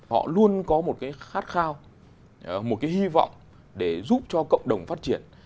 họ luôn có một khát khao một hy vọng để giúp cho cộng đồng phát triển